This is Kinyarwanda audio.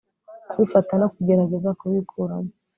Kubifata no kugerageza kubikuramo